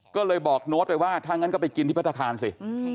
ก็เลยบอกโน้ตไปว่าถ้างั้นก็ไปกินที่พัฒนาคารสิ